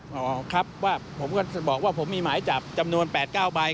ผมก็จะบอกว่าผมมีหมายจับจำนวน๘๙ใบ